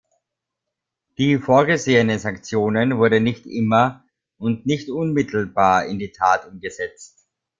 Die vorgesehenen Sanktionen wurden nicht immer und nicht unmittelbar in die Tat umgesetzt.